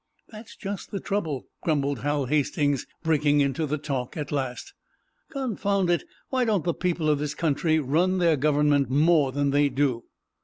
"That's just the trouble," grumbled Hal Hastings, breaking into the talk, at last. "Confound it, why don't the people of this country run their government more than they do?